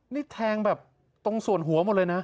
นี่แทงแบบตรงส่วนหัวหมดเลยนะ